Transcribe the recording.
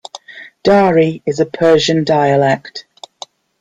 Dari is a Persian dialect.